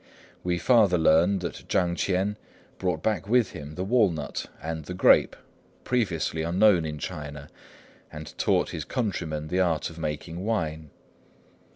We farther learn that Chang Ch'ien brought back with him the walnut and the grape, previously unknown in China, and taught his countrymen the art of making wine.